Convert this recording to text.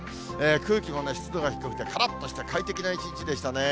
空気も湿度が低くてからっとして、快適な一日でしたね。